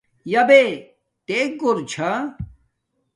یابے تے گھور چھا